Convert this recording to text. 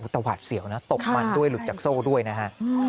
แต่หวาดเสียวนะตกมันด้วยหลุดจากโซ่ด้วยนะฮะ